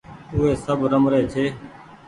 او وي سب رمري ڇي